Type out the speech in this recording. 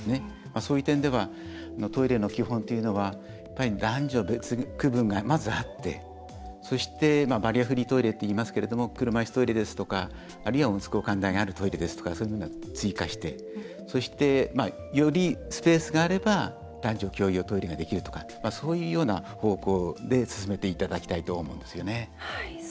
そういう点ではトイレの基本というのはやっぱり男女別に区分があってそして、バリアフリートイレっていいますけども車いすトイレですとかを追加してそして、よりスペースがあれば男女共用トイレができるとかそういうような方向で進めていただきたいと思いますよね。